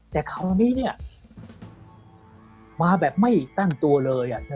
แต่คราวนี้เนี่ยมาแบบไม่ตั้งตัวเลย